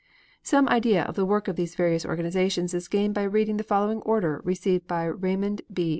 Some idea of the work of these various organizations is gained by reading the following order received by Raymond B.